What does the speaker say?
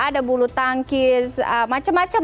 ada bulu tangkis macem macem